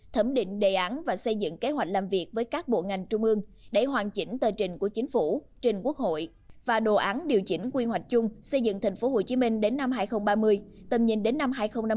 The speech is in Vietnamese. thẩm định đề án và xây dựng kế hoạch làm việc với các bộ ngành trung ương để hoàn chỉnh tờ trình của chính phủ trình quốc hội và đồ án điều chỉnh quy hoạch chung xây dựng tp hcm đến năm hai nghìn ba mươi tầm nhìn đến năm hai nghìn năm mươi